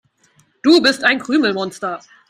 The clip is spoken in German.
Du bist ein Krümelmonster.